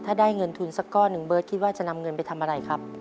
ถ้าได้เงินทุนสักก้อนหนึ่งเบิร์ตคิดว่าจะนำเงินไปทำอะไรครับ